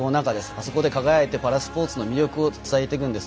あそこで輝いてパラスポーツの魅力を伝えていくんです。